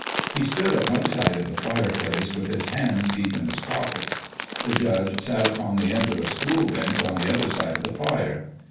He stood at one side of the fireplace with his hands deep in his pockets; the judge sat upon the end of a school bench on the other side of the fire.